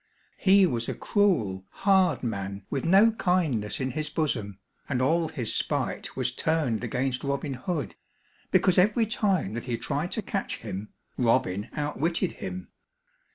He was a cruel, hard man with no kindness in his bosom, and all his spite was turned against Robin Hood, because every time that he tried to catch him, Robin outwitted him.